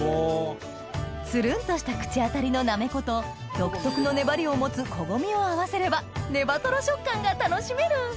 ツルンとした口当たりのなめこと独特の粘りを持つコゴミを合わせればネバトロ食感が楽しめる！